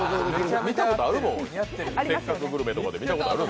「せっかくグルメ！！」とかで見たことある。